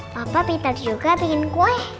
papa pitat juga bikin kue